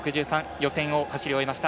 予選を走り終えました